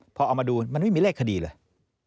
พอเอามาดูมันไม่มีเลขคดีเลย